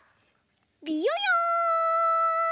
びよよん！